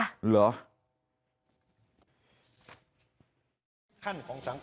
เหรอ